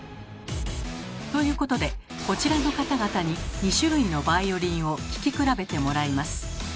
ということでこちらの方々に２種類のバイオリンを聴き比べてもらいます。